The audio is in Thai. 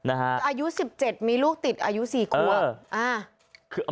อายุ๑๗มีลูกติดอายุ๔ควบ